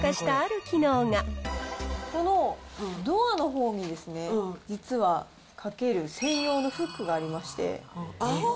このドアのほうにですね、実はかける専用のフックがありまして。